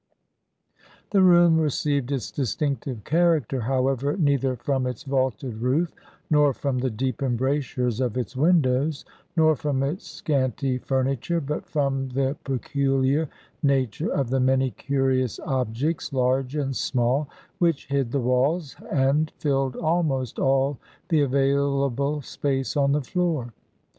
The room received its distinctive character however neither from its vaulted roof, nor from the deep embrasures of its windows, nor from its scanty furniture, but from the peculiar nature of the many curious objects, large and small, which hid the walls and filled almost all the available space on the floor.